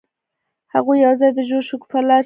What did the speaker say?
هغوی یوځای د ژور شګوفه له لارې سفر پیل کړ.